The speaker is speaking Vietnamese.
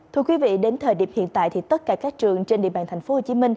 thưa quý vị đến thời điểm hiện tại thì tất cả các trường trên địa bàn tp hcm